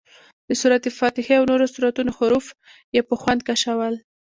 د سورت فاتحې او نورو سورتونو حروف یې په خوند کشول.